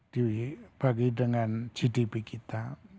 dibagi dengan gdp kita